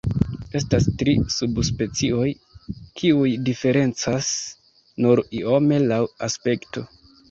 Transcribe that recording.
Estas tri subspecioj, kiuj diferencas nur iome laŭ aspekto.